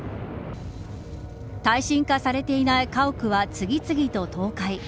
耐震化されていない家屋は次々と倒壊。